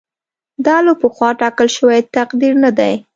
دا له پخوا ټاکل شوی تقدیر نه دی.